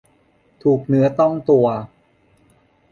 ถูกเนื้อต้องตัว